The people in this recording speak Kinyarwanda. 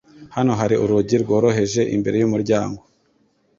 Hano hari urugi rworoheje imbere yumuryango.